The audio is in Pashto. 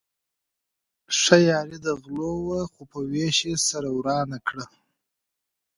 ښه یاري د غلو وه خو په وېش يې سره ورانه کړه.